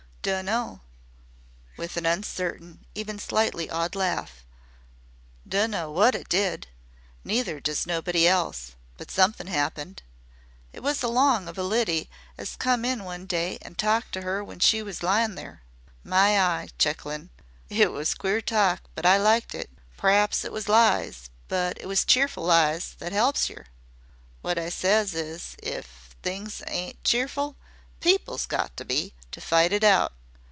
"Dunno," with an uncertain, even slightly awed laugh. "Dunno wot it did neither does nobody else, but somethin' 'appened. It was along of a lidy as come in one day an' talked to 'er when she was lyin' there. My eye," chuckling, "it was queer talk! But I liked it. P'raps it was lies, but it was cheerfle lies that 'elps yer. What I ses is if THINGS ain't cheerfle, PEOPLE's got to be to fight it out.